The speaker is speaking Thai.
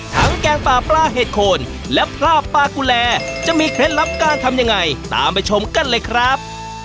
แกงปลาปลาเห็ดโคนและผ้าปลากุแลจะมีเคล็ดลับการทำยังไงตามไปชมกันเลยครับ